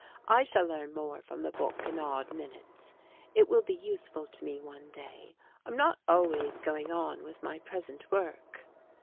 I shall learn more from the book in odd minutes. It will be useful to me one day. I'm not always going on with my present work."